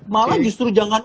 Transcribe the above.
malah justru jangan